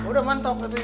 udah mantap betul